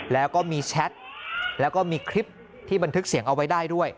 แล้วก็มีแชทแล้วก็มีคลิปที่บันทึกเสียงเอาไว้ได้ด้วย